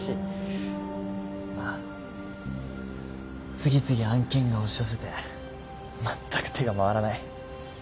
次々案件が押し寄せてまったく手が回らない。